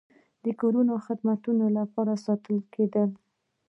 د کورنیو خدماتو لپاره ساتل کېدل.